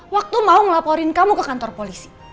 waktu mau melaporin kamu ke kantor polisi